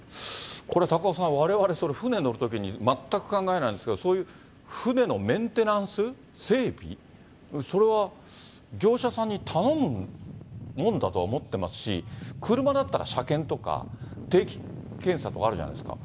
これ、高岡さん、われわれ、それ、船乗るときに、全く考えないんですけれども、そういう船のメンテナンス、整備、それは業者さんに頼むものだとは思ってますし、車だったら車検とか定期検査とかあるじゃないですか。